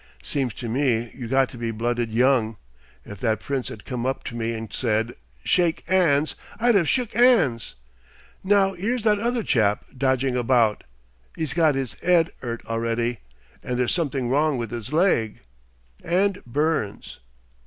Seems to me you got to be blooded young.... If that Prince 'ad come up to me and said, 'Shake 'ands!' I'd 'ave shook 'ands.... Now 'ere's that other chap, dodging about! 'E's got 'is 'ead 'urt already, and there's something wrong with his leg. And burns.